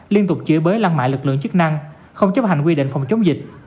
liên tục chữa bới lăng mại lực lượng chức năng không chấp hành quy định phòng chống dịch